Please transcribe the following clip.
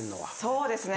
そうですね。